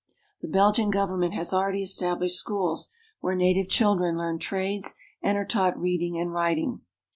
The Belgian government has already established schools where native children learn trades and are taught reading and writing.